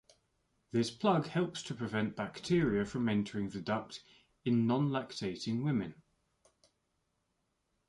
This plug helps to prevent bacteria from entering the duct in non-lactating women.